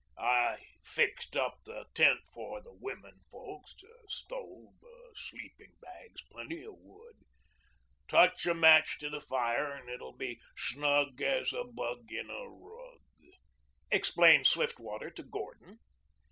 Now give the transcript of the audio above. "I fixed up the tent for the women folks stove, sleeping bags, plenty of wood. Touch a match to the fire and it'll be snug as a bug in a rug," explained Swiftwater to Gordon.